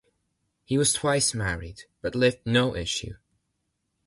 He was twice married, but left no issue.